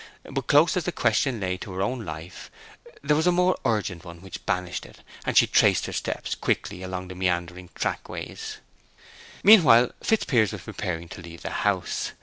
But close as the question lay to her own life, there was a more urgent one which banished it; and she traced her steps quickly along the meandering track ways. Meanwhile, Fitzpiers was preparing to leave the house.